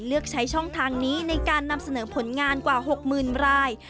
เลือกใช้ช่องทางนี้ในการนำเสนอผลงานกว่า๖๐๐๐ราย